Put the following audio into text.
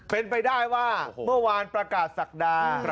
เป็นไปได้ว่าเมื่อวานประกาศศักดา